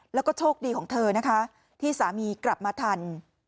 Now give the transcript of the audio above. แล้วก็โชคดีของเธอนะคะที่สามีกลับมาทัน